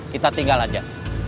kita tinggal aja